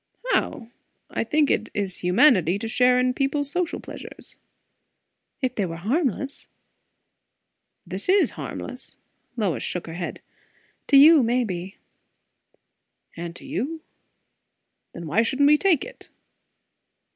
"How? I think it is humanity to share in people's social pleasures." "If they were harmless." "This is harmless!" Lois shook her head. "To you, maybe." "And to you. Then why shouldn't we take it?"